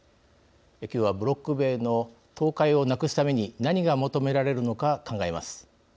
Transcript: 今日はブロック塀の倒壊をなくすために何が求められるのか考えます。